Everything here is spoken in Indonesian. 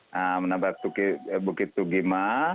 nah menabrak bukit tugima